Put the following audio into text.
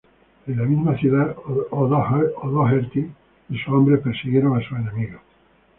En la misma ciudad, O'Doherty y sus hombres persiguieron a sus enemigos.